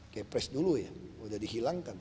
kayak pres dulu ya udah dihilangkan